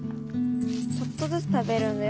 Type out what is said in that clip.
ちょっとずつ食べるんだよ。